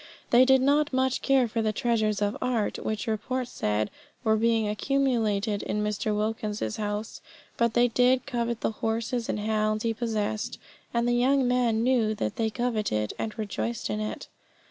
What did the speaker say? They did not much care for the treasures of art, which report said were being accumulated in Mr. Wilkins's house. But they did covet the horses and hounds he possessed, and the young man knew that they coveted, and rejoiced in it.